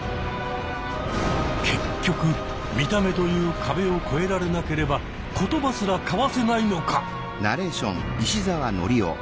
結局見た目という壁を越えられなければ言葉すら交わせないのか。